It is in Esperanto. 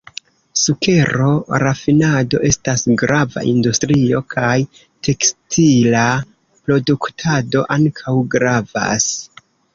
Sukero-rafinado estas grava industrio, kaj tekstila produktado ankaŭ gravas.